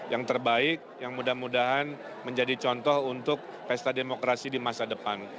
yang terbaik yang mudah mudahan menjadi contoh untuk pesta demokrasi di masa depan